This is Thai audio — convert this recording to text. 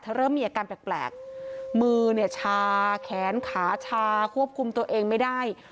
เริ่มมีอาการแปลกมือเนี่ยชาแขนขาชาควบคุมตัวเองไม่ได้